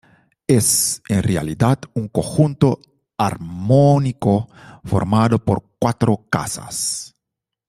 Es, en realidad, un conjunto armónico formado por cuatro casas.